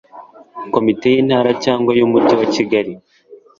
komite y intara cyangwa y umujyi wa kigali